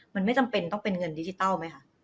มันไม่จำเป็นต้องเป็นเงินดิจิทัลไหมคะ